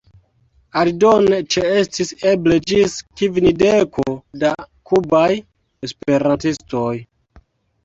Aldone ĉeestis eble ĝis kvindeko da kubaj esperantistoj.